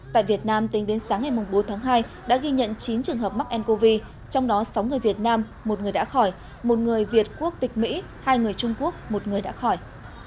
tại việt nam tính đến sáng ngày bốn tháng hai đã ghi nhận chín trường hợp mắc ncov trong đó sáu người việt nam một người đã khỏi một người việt quốc tịch mỹ hai người trung quốc một người đã khỏi